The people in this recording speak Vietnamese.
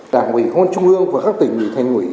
đảng ủy hôn trung ương và các tỉnh thành ủy